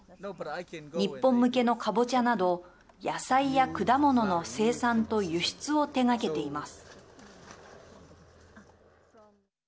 日本向けのかぼちゃなど野菜や果物の生産と輸出を手がけています。